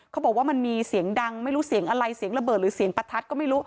เขาบอกว่ามันมีเสียงดังไม่รู้เสียงอะไรเสียงระเบิดหรือเสียงประทัดก็ไม่รู้